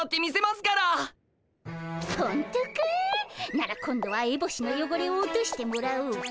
なら今度はエボシのよごれを落としてもらおうか。